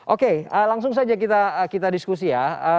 oke langsung saja kita diskusi ya